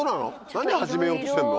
何始めようとしてんの？